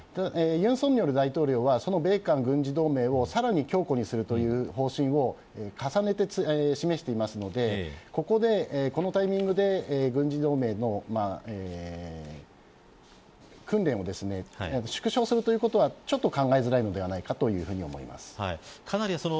尹錫悦大統領は、その米韓軍事同盟をさらに強固にするという方針を重ねて示しているのでこのタイミングで、軍事同盟の訓練を縮小するということは考えづらいと思います。